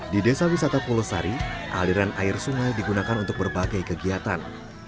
di desa wisata pulau sari aliran air sungai digunakan untuk berbagai kegiatan